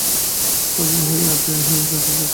পাগল হই আর যা-ই হই, যা জানতে চাচ্ছি সেটা বল!